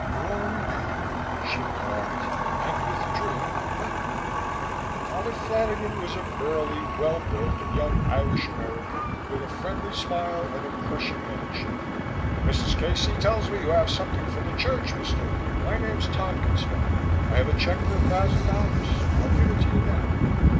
"Glory be!" she remarked, and withdrew, muttering. Father Flanagan was a burly, well built young Irish American with a friendly smile and a crushing handshake. "Mrs. Casey tells me you have something for the church, Mr. " "My name's Tompkins, Father. I have a check for a thousand dollars. I'll give it to you now.